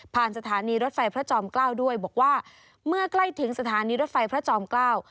สถานีรถไฟพระจอมเกล้าด้วยบอกว่าเมื่อใกล้ถึงสถานีรถไฟพระจอมเกล้า